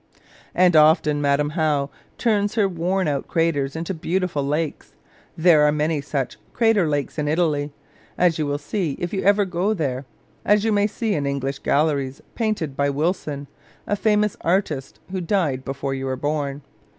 And often Madam How turns her worn out craters into beautiful lakes. There are many such crater lakes in Italy, as you will see if ever you go there; as you may see in English galleries painted by Wilson, a famous artist who died before you were born.